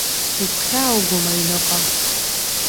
Игәхьааугома аҩныҟа?